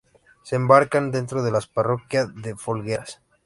Se enmarca dentro de la parroquia de Folgueras.